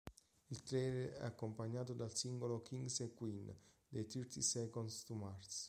Il trailer è accompagnato dal singolo "Kings and Queens" dei Thirty Seconds to Mars.